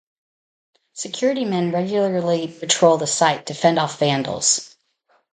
Security men regularly patrol the site to fend off vandals.